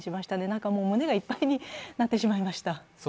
何か胸がいっぱいになってしまいました。